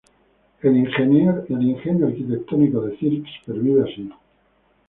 El ingenio arquitectónico de Cyrix pervive así.